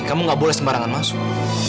kamu gak boleh sembarangan masuk